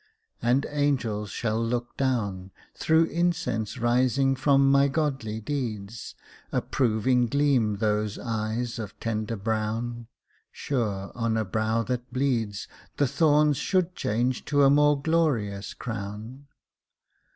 And angels shall look down, Through incense rising from my godly deeds. Approving gleam those eyes of tender brown; Sure on a brow that bleeds, The thorns should change to a more glorious crown.